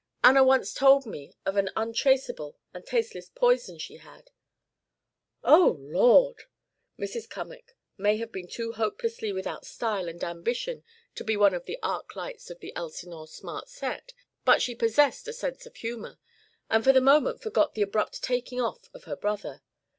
Anna once told me of an untraceable and tasteless poison she had " "Oh, Lord!" Mrs. Cummack may have been too hopelessly without style and ambition to be one of the arc lights of the Elsinore smart set, but she possessed a sense of humour, and for the moment forgot the abrupt taking off of her brother.